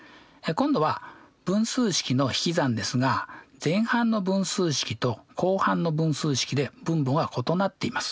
今度は分数式のひき算ですが前半の分数式と後半の分数式で分母が異なっています。